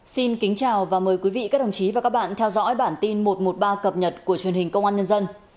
xin kính chào và mời quý vị các đồng chí và các bạn theo dõi bản tin một trăm một mươi ba cập nhật của truyền hình công an nhân dân